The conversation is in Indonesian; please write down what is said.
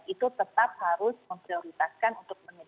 itu tetap harus memprioritaskan untuk mengembangkan